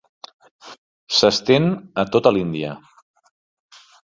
S'estén a tota l'Índia.